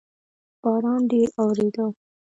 باران ډیر اووریدو